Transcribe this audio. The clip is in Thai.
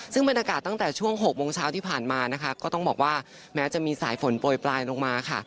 ซึ่งบรรยากาศตั้งแต่ช่วง๖โมงเช้าที่ผ่านมานะคะก็ต้องบอกว่าแม้จะมีสายฝนโปรยปลายลงมาค่ะ